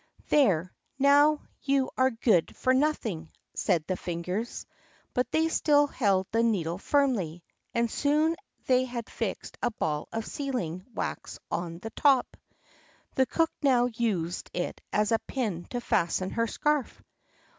"There, now you are good for nothing," said the fingers; but they still held the needle firmly, and soon they had fixed a ball of sealing wax on the top. The cook now used it as a pin to fasten her scarf.